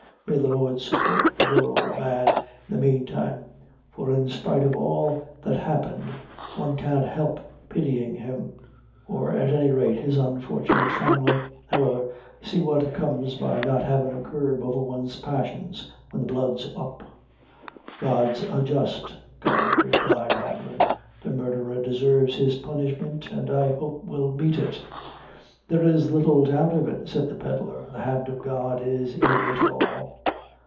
May the Lord support the poor old man in the mane time! for in spite of all that happened one can't help pity'n' him, or at any rate his unfortunate family. However see what comes by not havin' a curb over one's passions when the blood's up." "God's a just God," replied Hanlon "the murderer deserves his punishment, an' I hope will meet it." "There is little doubt of it," said the pedlar, "the hand of God is in it all."